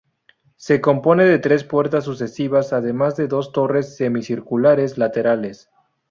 Se compone de tres puertas sucesivas además de dos torres semicirculares laterales.